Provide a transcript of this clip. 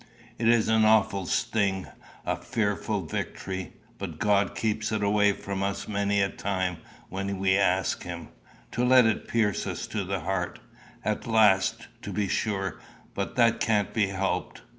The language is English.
It is an awful sting, a fearful victory. But God keeps it away from us many a time when we ask him to let it pierce us to the heart, at last, to be sure; but that can't be helped.